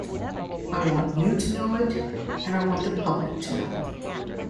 I want you to know it, and I want the public to know it.